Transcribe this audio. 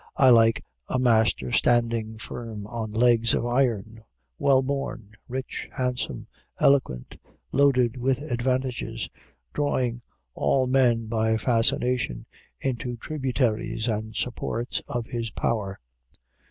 I like a master standing firm on legs of iron, well born, rich, handsome, eloquent, loaded with advantages, drawing all men by fascination into tributaries and supports of his power.